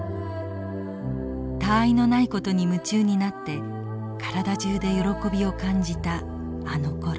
たあいのないことに夢中になって体中で喜びを感じたあのころ。